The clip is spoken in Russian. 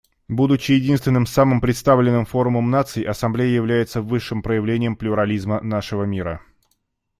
Будучи единственным самым представительным форумом наций, Ассамблея является высшим проявлением плюрализма нашего мира.